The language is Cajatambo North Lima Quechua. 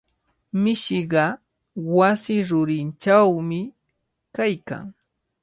Mishiqa wasi rurinchawmi kaykan.